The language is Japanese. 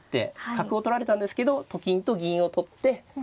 角を取られたんですけどと金と銀を取ってまあ